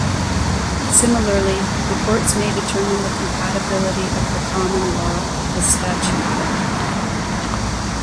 Similarly, the courts may determine the compatibility of the common law with statute law.